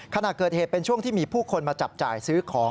ขณะเกิดเหตุเป็นช่วงที่มีผู้คนมาจับจ่ายซื้อของ